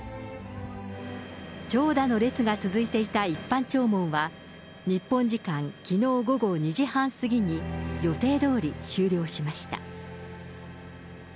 長蛇の列が続いていた一般弔問は、日本時間きのう午後２時半過ぎに、予定どおり終了しました。